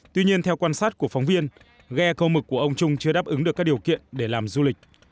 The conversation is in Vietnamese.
tuy nhiên theo quan sát của phóng viên ghe câu mực của ông trung chưa đáp ứng được các điều kiện để làm du lịch